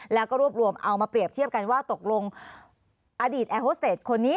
แล้วก็รวบรวมเอามาเปรียบเทียบกันว่าตกลงอดีตแอร์โฮสเตจคนนี้